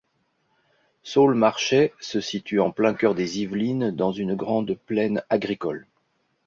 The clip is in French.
Saulx-Marchais se situe en plein cœur des Yvelines dans une grande plaine agricole.